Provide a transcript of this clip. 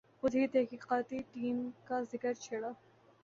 خود ہی تحقیقاتی کمیشن کا ذکر چھیڑا۔